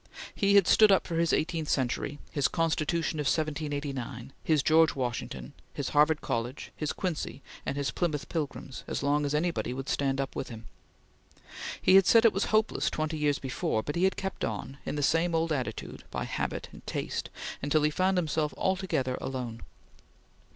He had stood up for his eighteenth century, his Constitution of 1789, his George Washington, his Harvard College, his Quincy, and his Plymouth Pilgrims, as long as any one would stand up with him. He had said it was hopeless twenty years before, but he had kept on, in the same old attitude, by habit and taste, until he found himself altogether alone.